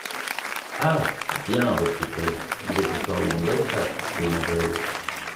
Ah! bien, reprit-elle, vous êtes encore d’une bonne pâte, vous, ma belle !...